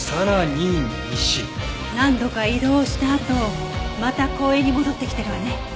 何度か移動したあとまた公園に戻ってきてるわね。